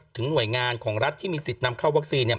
หน่วยงานของรัฐที่มีสิทธิ์นำเข้าวัคซีนเนี่ย